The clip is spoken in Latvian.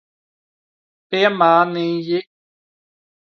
Piemānīji.